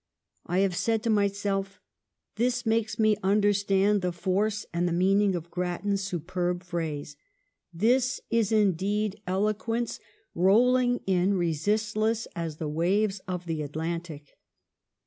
I have said to my self: — This makes me understand the force and the meaning of Grattan's superb phrase. This is in deed eloquence rolling in resistless as the waves of the Atlantic.